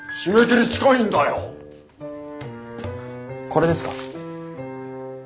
これですか？